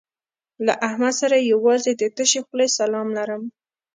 له احمد سره یوازې د تشې خولې سلام لرم.